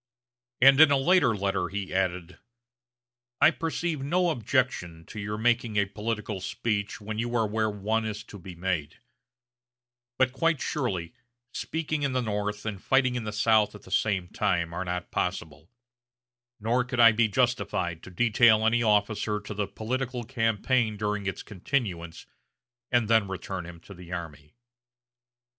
And in a later letter he added: "I perceive no objection to your making a political speech when you are where one is to be made; but quite surely, speaking in the North and fighting in the South at the same time are not possible; nor could I be justified to detail any officer to the political campaign during its continuance and then return him to the army."